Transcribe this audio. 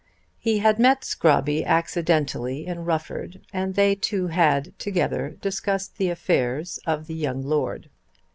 He had met Mr. Scrobby accidentally in Rufford and they two had together discussed the affairs of the young Lord.